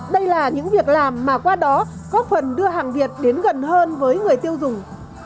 đây là những việc làm mà qua đó góp phần đưa hàng việt đến gần hơn với người tiêu dùng